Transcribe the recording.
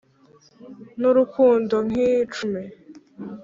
n’urukundo nk’icumi